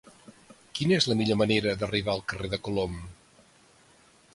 Quina és la millor manera d'arribar al carrer de Colom?